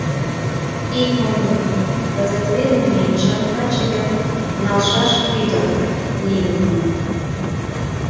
— Ит мондо, кызыт веле ме чын каче ден налшаш ӱдыр лийынна.